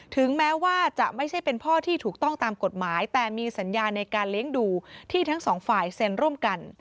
ถึงแม้ว่าจะไม่ใช่เป็นพ่อที่ถูกต้องตามกฎหมายแต่มีสัญญาในการเลี้ยงดูที่ทั้งสองฝ่ายเซ็นร่วมกัน